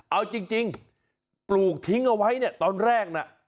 เอาจริงปลูกทิ้งเอาไว้เนี่ยตอนแรกน่ะ